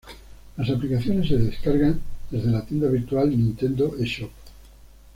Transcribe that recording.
Las aplicaciones se descargan desde la tienda virtual Nintendo eShop